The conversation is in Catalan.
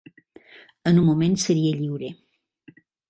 En un moment seria lliure.